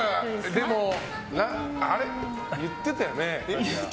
でも、言ってたよね。